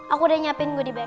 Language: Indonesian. aku udah nyiapin gue di back